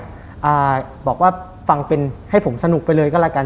อ่าบอกว่าฟังเป็นให้ผมสนุกไปเลยก็แล้วกัน